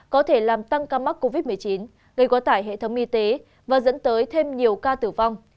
có thể làm tăng ca mắc covid một mươi chín gây quá tải hệ thống y tế và dẫn tới thêm nhiều ca tử vong